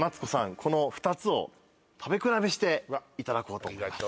この２つを食べ比べしていただこうと思います